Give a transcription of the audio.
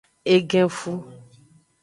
Egenfu.